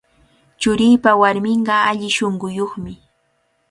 Churiipa warminqa alli shunquyuqmi.